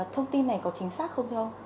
thông tin này có chính xác không thưa ông